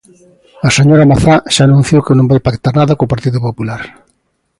A señora Mazá xa anunciou que non vai pactar nada co Partido Popular.